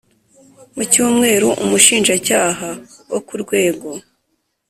mu cyumweru Umushinjacyaha wo ku rwego